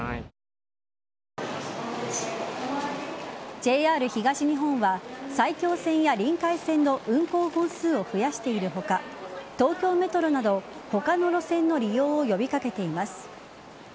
ＪＲ東日本は埼京線やりんかい線の運行本数を増やしている他東京メトロなど他の路線の利用を呼び掛けています。